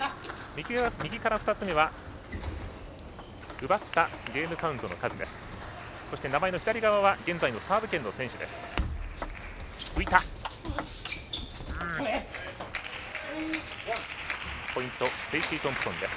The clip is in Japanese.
右から２つ目は奪ったゲームの数です。